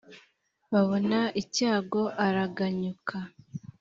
Babona icyago araganyuka